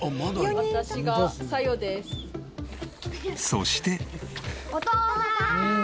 そして。